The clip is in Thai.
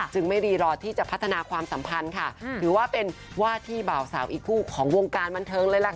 ไม่รีรอที่จะพัฒนาความสัมพันธ์ค่ะถือว่าเป็นว่าที่บ่าวสาวอีกคู่ของวงการบันเทิงเลยล่ะค่ะ